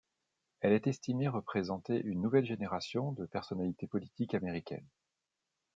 Elle est estimée représenter une nouvelle génération de personnalités politiques américaines.